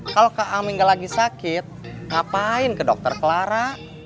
kalau kak aming gak lagi sakit ngapain ke dokter clara